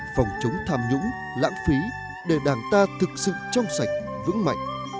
phòng chống tham nhũng lãng phí để đảng ta thực sự trong sạch vững mạnh